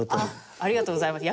ありがとうございます。